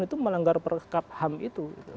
itu melanggar perkap ham itu